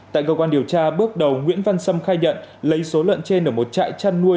tại cơ quan điều tra bước đầu nguyễn văn sâm khai nhận lấy số lợn trên ở một trại chăn nuôi